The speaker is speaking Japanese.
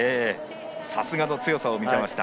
さすがの強さを見せました。